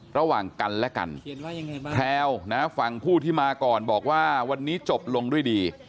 ระหว่างกันและกันแพลวนะฝั่งผู้ที่มาก่อนบอกว่าวันนี้จบลงด้วยดี